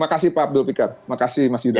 makasih pak abdul pikat makasih mas yudha